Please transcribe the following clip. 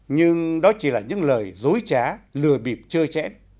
nhưng đó chỉ là những lời dối trá lừa bịp chơi chẽn